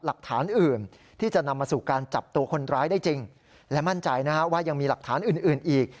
และมั่นใจนะครับว่ายังมีหลักฐานอื่นอีก